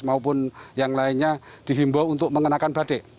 maupun yang lainnya dihimbau untuk mengenakan badik